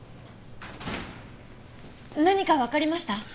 何かわかりました？